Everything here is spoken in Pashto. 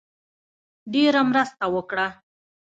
ډېره مرسته وکړه.